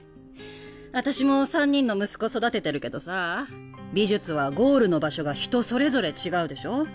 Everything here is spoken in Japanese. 私も３人の息子育ててるけどさ美術はゴールの場所が人それぞれ違うでしょ。